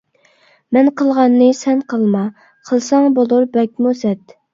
مەن قىلغاننى سەن قىلما، قىلساڭ بولۇر بەكمۇ سەت.